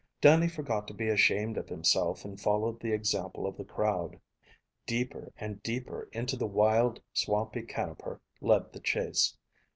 Dannie forgot to be ashamed of himself and followed the example of the crowd. Deeper and deeper into the wild, swampy Canoper led the chase.